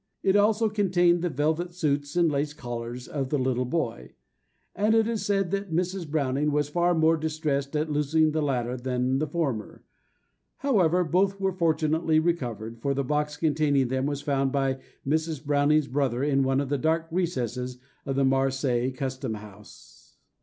It also contained the velvet suits and lace collars of the little boy; and it is said that Mrs. Browning was far more distressed at losing the latter than the former. However, both were fortunately recovered, for the box containing them was found by Mrs. Browning's brother in one of the dark recesses of the Marseilles Custom House.